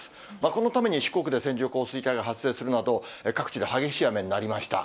このために四国で線状降水帯が発生するなど、各地で激しい雨になりました。